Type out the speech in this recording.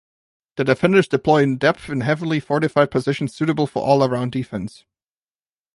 The defenders deploy in depth in heavily fortified positions suitable for all-around defence.